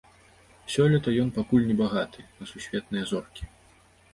Сёлета ён пакуль не багаты на сусветныя зоркі.